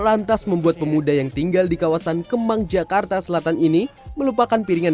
lantas membuat pemuda yang tinggal di kawasan kemang jakarta selatan ini melupakan piringan